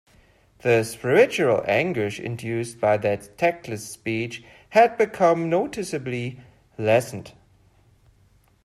The spiritual anguish induced by that tactless speech had become noticeably lessened.